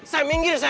sam minggir sam